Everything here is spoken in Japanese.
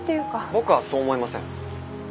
僕はそう思いません。